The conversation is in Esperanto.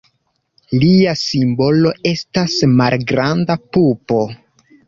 Lia simbolo estas malgranda pupo.